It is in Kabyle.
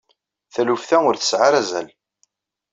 Taluft-a ur tesɛi ara azal.